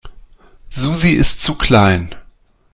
Susi ist zu klein.